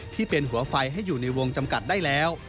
ที่เป็นหัวไฟให้อยู่ในวงจำกัดได้แล้ว